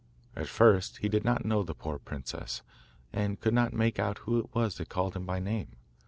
At first he did not know the poor princess, and could not make out who it was that called him by name.